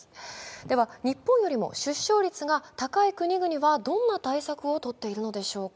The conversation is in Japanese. では、日本よりも出生率が高い国々はどんな対策を取っているのでしょうか。